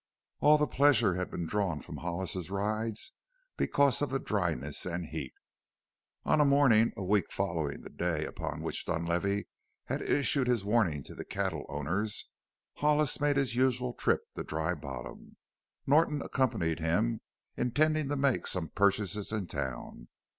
All the pleasure had been drawn from Hollis's rides because of the dryness and heat. On a morning a week following the day upon which Dunlavey had issued his warning to the cattle owners, Hollis made his usual trip to Dry Bottom. Norton accompanied him, intending to make some purchases in town.